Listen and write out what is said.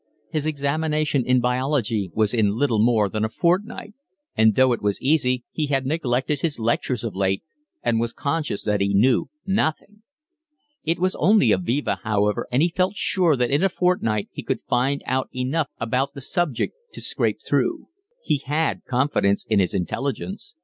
His examination in biology was in little more than a fortnight, and, though it was easy, he had neglected his lectures of late and was conscious that he knew nothing. It was only a viva, however, and he felt sure that in a fortnight he could find out enough about the subject to scrape through. He had confidence in his intelligence.